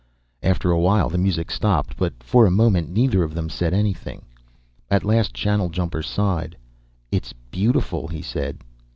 After a while, the music stopped, but for a moment neither of them said anything. At last Channeljumper sighed. "It's beautiful," he said.